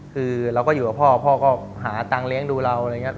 คือเราก็อยู่กับพ่อพ่อก็หาตังค์เลี้ยงดูเราอะไรอย่างนี้